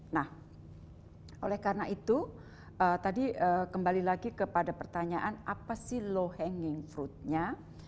nah oleh karena itu tadi kembali lagi kepada pertanyaan apa sih low hanging fruitnya